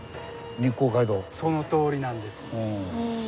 そのとおりなんです。